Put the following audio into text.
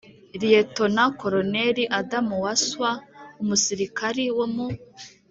liyetona koloneli adam waswa: umusirikari wo mu